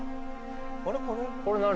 これ何？